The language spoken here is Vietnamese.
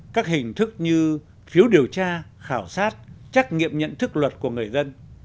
các hình thức như phiếu điều tra khảo sát trắc nghiệm nhận thức luật của người dân